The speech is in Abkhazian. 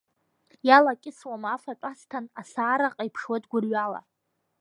Иалакьысуам афатә асҭан, асаараҟа иԥшуеит гәырҩала.